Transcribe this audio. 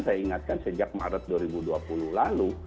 saya ingatkan sejak maret dua ribu dua puluh lalu